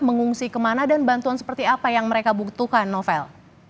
mengungsi kemana dan bantuan seperti apa yang mereka butuhkan novel